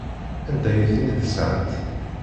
Anda ay ten-id-sɣant?